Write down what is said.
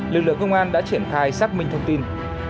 lực lượng công an đã triển khai xác minh thông tin